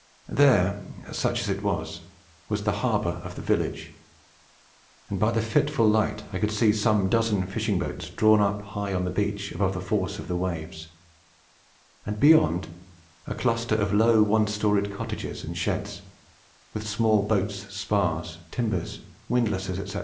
There, such as it was, was the harbour of the village, and by the fitful light I could see some dozen fishing boats drawn up high on the beach above the force of the waves; and beyond, a cluster of low, one storied cottages and sheds, with small boats, spars, timbers, windlasses, etc.